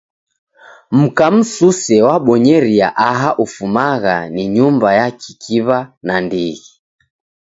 Mka msuse wabonyeria aha ufumagha ni nyumba ya kikiw'a nandighi.